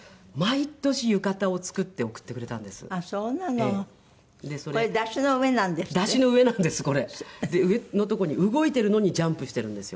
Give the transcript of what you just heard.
で上の所に動いているのにジャンプしているんですよ。